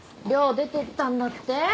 寮出ていったんだって？